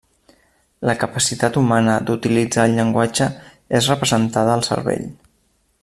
La capacitat humana d'utilitzar el llenguatge és representada al cervell.